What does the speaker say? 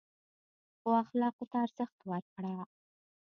ښو اخلاقو ته ارزښت ورکړه.